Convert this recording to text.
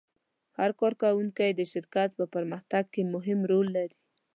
هر کارکوونکی د شرکت په پرمختګ کې مهم رول لري.